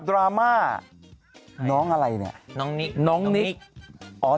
ดราม่าน้องอะไรเนี่ยน้องนิก